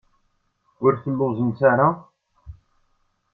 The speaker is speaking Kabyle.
Ur telluẓemt ara?